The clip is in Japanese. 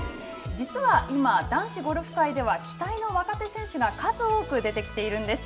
実は今男子ゴルフ界では期待の若手選手が数多く出てきているんです。